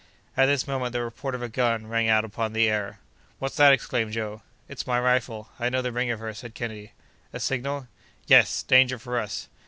At this moment the report of a gun rang out upon the air. "What's that?" exclaimed Joe. "It's my rifle, I know the ring of her!" said Kennedy. "A signal!" "Yes; danger for us!"